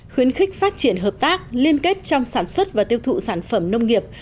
khuyến khích phát triển hợp tác liên kết trong sản xuất và tiêu thụ sản phẩm nông nghiệp